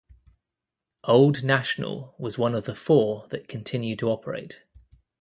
Old National was one of the four that continued to operate.